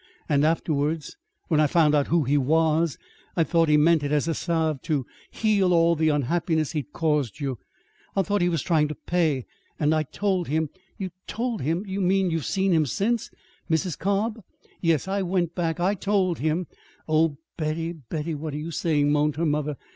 And afterwards, when I found out who he was, I thought he meant it as a salve to heal all the unhappiness he'd caused you. I thought he was trying to pay; and I told him " "You told him! You mean you've seen him since Mrs. Cobb?" "Yes. I went back. I told him " "Oh, Betty, Betty, what are you saying?" moaned her mother.